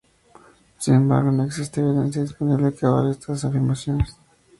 Sin embargo, no existe evidencia disponible que avale estas afirmaciones.